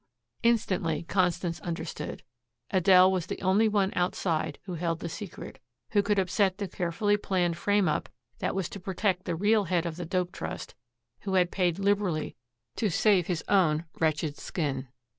Instantly Constance understood. Adele was the only one outside who held the secret, who could upset the carefully planned frame up that was to protect the real head of the dope trust who had paid liberally to save his own wretched skin.